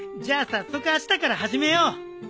じゃあ早速あしたから始めよう。